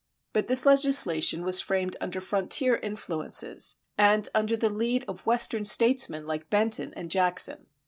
But this legislation was framed under frontier influences, and under the lead of Western statesmen like Benton and Jackson.